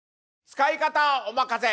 『使い方はおまかせ！